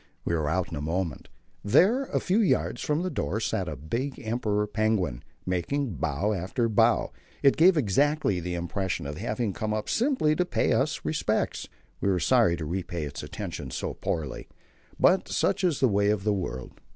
We were out in a moment. There, a few yards from the door, sat a big Emperor penguin, making bow after bow. It gave exactly the impression of having come up simply to pay us its respects. We were sorry to repay its attention so poorly, but such is the way of the world.